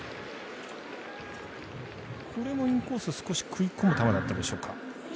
これもインコース少し食い込む球だったでしょうか。